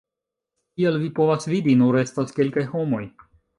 Kiel vi povas vidi nur estas kelkaj homoj